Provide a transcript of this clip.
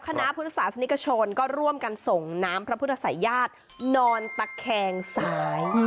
คณะพุทธศาสนิกชนก็ร่วมกันส่งน้ำพระพุทธศัยญาตินอนตะแคงซ้าย